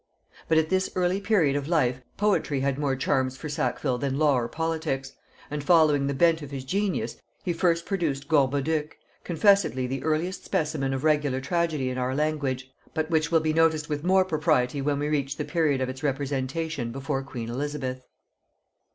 But at this early period of life poetry had more charms for Sackville than law or politics; and following the bent of his genius, he first produced "Gorboduc," confessedly the earliest specimen of regular tragedy in our language; but which will be noticed with more propriety when we reach the period of its representation before queen Elizabeth.